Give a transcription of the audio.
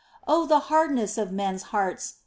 Oh the hardness of men's hearts